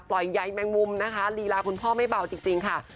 ใยแมงมุมนะคะลีลาคุณพ่อไม่เบาจริงค่ะ